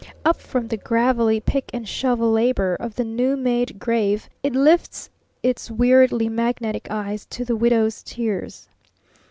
Up from the gravelly, pick and shovel labor of the new made grave it lifts its weirdly magnetic eyes to the Widow's tears.